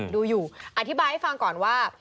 ดูอยู่อธิบายให้ฟังก่อนว่า